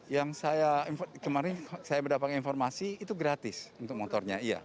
yang saya kemarin saya mendapatkan informasi itu gratis untuk motornya